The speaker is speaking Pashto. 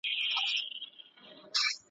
که هر څومره له انسانه سره لوی سي `